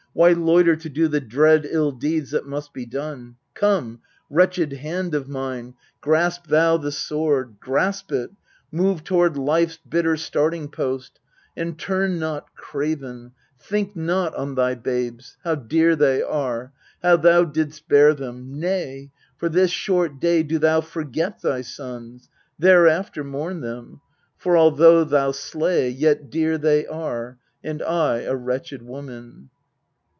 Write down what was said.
Why loiter To do the dread ill deeds that must be done ? Come, wretched hand of mine, grasp thou the sword ; Grasp it move toward life's bitter starting post, And turn not craven : think not on thy babes, How dear they are, how thou didst bear them : nay, For this short day do thou forget thy sons, Thereafter mourn them. For, although thou slay, Yet dear they are, and I a wretched woman.